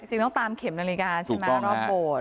จริงต้องตามเข็มนาฬิกาใช่ไหมรอบโบสถ์